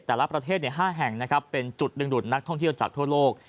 แต่ละประเทศ๕แห่งนะครับเป็นจุดดึงดูดนักท่องเที่ยวจากทั่วโลก